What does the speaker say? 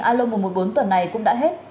alo một trăm một mươi bốn tuần này cũng đã hết